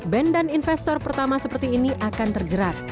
band dan investor pertama seperti ini akan terjerat